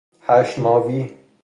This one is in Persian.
هشت ماوی